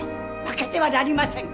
負けてはなりません！